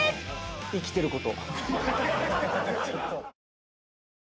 生きてること。